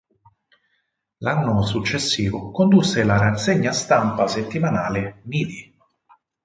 L'anno successivo condusse la rassegna stampa settimanale "Midi".